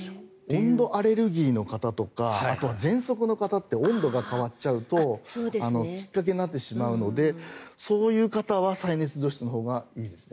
温度アレルギーの方とかぜんそくの方って温度が変わるときっかけになってしまうのでそういう方は再熱除湿のほうがいいですね。